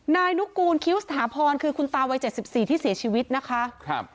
นายนุกูลคิวสถาพรคือคุณตาวัย๗๔ที่เสียชีวิตนะคะ